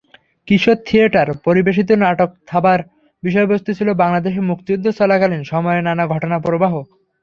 কিশোর theatre পরিবেশিত নাটক থাবার বিষয়বস্তু ছিল বাংলাদেশের মুক্তিযুদ্ধ চলাকালীন সময়ের নানা ঘটনাপ্রবাহ।